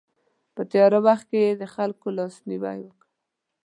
په تیاره وخت کې یې د خلکو لاسنیوی وکړ.